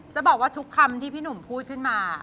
จะบอกว่าทุกคำที่พี่หนุ่มพูดขึ้นมา